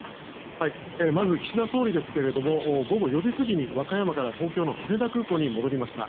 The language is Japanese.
まず岸田総理ですが午後４時過ぎに和歌山から東京の羽田空港に戻りました。